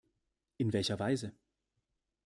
In welcher Weise?